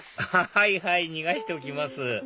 はいはい逃がしておきます